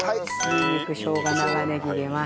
にんにくしょうが長ネギ入れます。